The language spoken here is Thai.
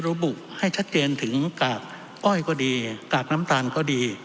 ระบุให้ชัดเจนถึงกากอ้อยก็ดีกากน้ำตาลก็ดี